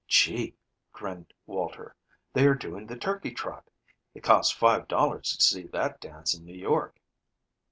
"Gee!" grinned Walter. "They are doing the 'turkey trot.' It costs five dollars to see that dance in New York."